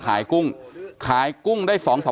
เฮ้ยเฮ้ยเฮ้ย